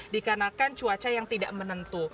dikarenakan cuaca yang tidak menentu